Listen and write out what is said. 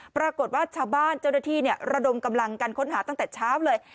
ปรากฏว่าชาวบ้านเจ้าหน้าที่ระดมกำลังกันค้นหาตั้งแต่เช้าเลย